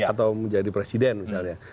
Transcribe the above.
atau menjadi presiden misalnya